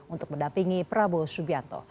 untuk mendapingi prabowo subianto